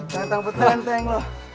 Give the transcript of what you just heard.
tentang betenteng lo